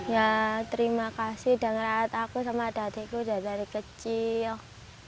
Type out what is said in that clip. ya terima kasih sudah menghargai aku dan adikku dari kecil